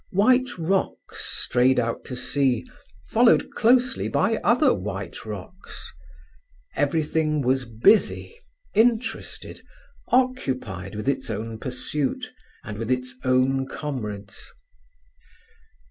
White rocks strayed out to sea, followed closely by other white rocks. Everything was busy, interested, occupied with its own pursuit and with its own comrades.